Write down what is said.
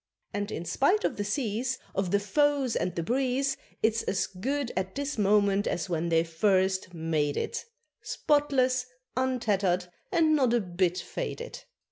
And, in spite of the seas, Of the foes and the breeze, It's as good at this moment as when they first made it, Spotless, untattered, and not a bit faded.